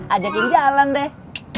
ajakin jalan deh